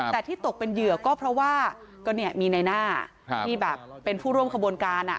แต่ที่ตกเป็นเหยื่อก็เพราะว่าก็มีในหน้าที่แบบเป็นผู้ร่วมขบวนการ